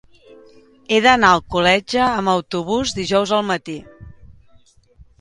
He d'anar a Alcoletge amb autobús dijous al matí.